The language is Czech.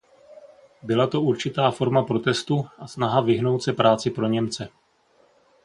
Byla to určitá forma protestu a snaha vyhnout se práci pro Němce.